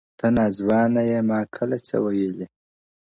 • ه تـــه نـــاځــوانـــه يــې مــا كــلــــه څـــه ويــلـــــي ـ